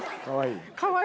かわいい。